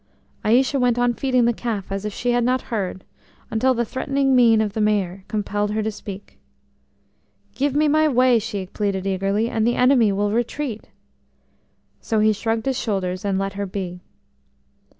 Aïcha went on feeding the calf as if she had not heard, until the threatening mien of the Mayor compelled her to speak. "Give me my way," she pleaded eagerly, "and the enemy will retreat." So he shrugged his shoulders and let her be.